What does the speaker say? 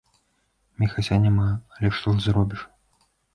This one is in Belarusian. Міхася няма, але што ж зробіш?